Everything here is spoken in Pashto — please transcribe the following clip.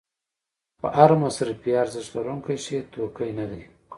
خو هر مصرفي ارزښت لرونکی شی توکی نه دی.